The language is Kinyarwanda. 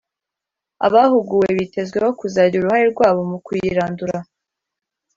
abahuguwe bitezweho kuzagira uruhare rwabo mu kuyirandura